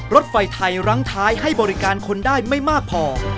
รถไฟไทยรั้งท้ายให้บริการคนได้ไม่มากพอ